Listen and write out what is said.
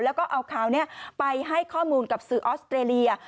แล้วก็เอาข่าวนี้ไปให้ข้อมูลกับสื่อออสเตรเลีย